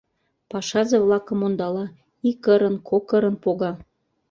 Пашазе-влакым ондала: ик ырын-кок ырын пога.